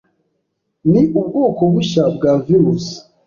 Ni ubwoko bushya bwa virus